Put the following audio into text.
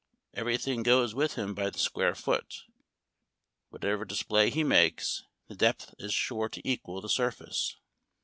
Every thing goes with him by the square foot. Whatever display he makes, the depth is sure • to equal the surface.